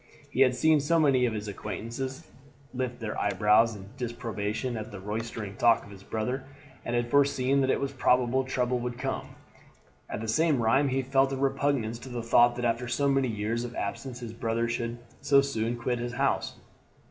He had seen many of his acquaintances lift their eyebrows in disapprobation at the roystering talk of his brother, and had foreseen that it was probable trouble would come. At the same rime he felt a repugnance to the thought that after so many years of absence his brother should so soon quit his house.